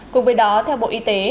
cùng với đó theo bộ y tế